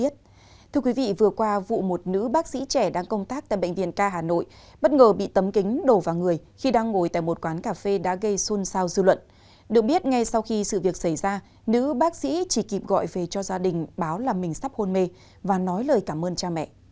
thưa quý vị vừa qua vụ một nữ bác sĩ trẻ đang công tác tại bệnh viện ca hà nội bất ngờ bị tấm kính đổ vào người khi đang ngồi tại một quán cà phê đã gây xôn xao dư luận được biết ngay sau khi sự việc xảy ra nữ bác sĩ chỉ kịp gọi về cho gia đình báo là mình sắp hôn mê và nói lời cảm ơn cha mẹ